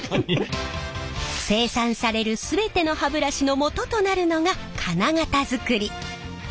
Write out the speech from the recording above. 生産される全ての歯ブラシのもととなるのが金型づくり。